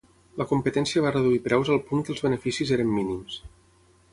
La competència va reduir preus al punt que els beneficis eren mínims.